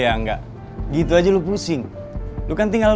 yang membelengsilkan saat ini